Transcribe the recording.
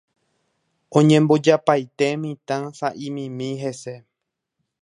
Oñembojapaite mitã sa'imimi hese